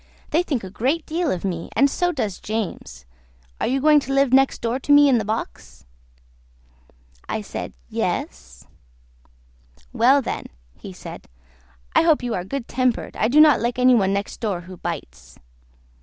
They think a great deal of me, and so does James. Are you going to live next door to me in the box?" I said, "Yes." "Well, then," he said, "I hope you are good tempered; I do not like any one next door who bites."